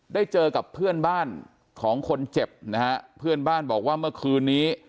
ได้เจอกับเพื่อนบ้านของคนเจ็บนะฮะเพื่อนบ้านบอกว่าเมื่อคืนนี้